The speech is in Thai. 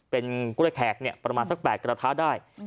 เป็นกล้วยแขกประมาณสัก๘กระทะได้